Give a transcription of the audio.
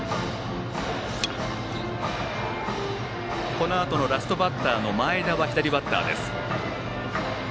このあとのラストバッター前田は左バッターです。